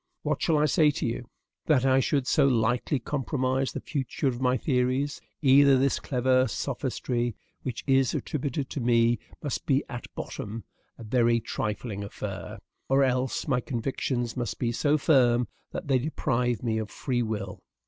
What shall I say to you?... That I should so lightly compromise the future of my theories, either this clever sophistry which is attributed to me must be at bottom a very trifling affair, or else my convictions must be so firm that they deprive me of free will.